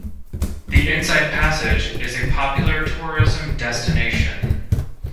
The Inside Passage is a popular tourism destination.